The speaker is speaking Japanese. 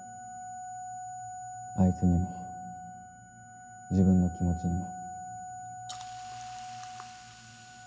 あいつにも自分の気持ちにも。